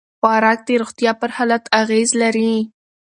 خوراک د روغتیا پر حالت اغېز لري.